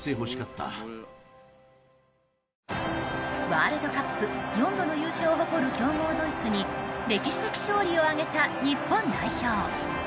ワールドカップ４度の優勝を誇る強豪ドイツに歴史的勝利を挙げた日本代表。